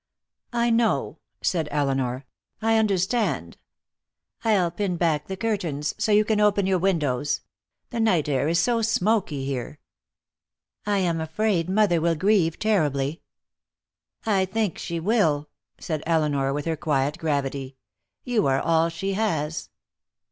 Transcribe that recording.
"I know," said Elinor. "I understand. I'll pin back the curtains so you can open your windows. The night air is so smoky here." "I am afraid mother will grieve terribly." "I think she will," said Elinor, with her quiet gravity. "You are all she has."